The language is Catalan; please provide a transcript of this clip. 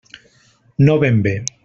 No ben bé.